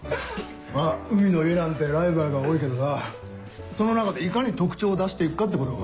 まぁ海の家なんてライバルが多いけどなその中でいかに特徴を出して行くかってことが。